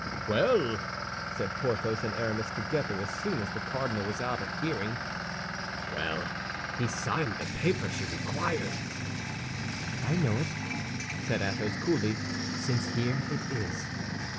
"Well!" said Porthos and Aramis together, as soon as the cardinal was out of hearing, "well, he signed the paper she required!" "I know it," said Athos, coolly, "since here it is."